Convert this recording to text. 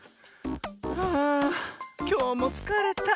はあきょうもつかれた。